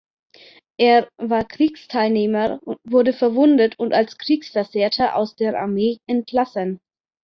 Er war Kriegsteilnehmer, wurde verwundet und als Kriegsversehrter aus der Armee entlassen.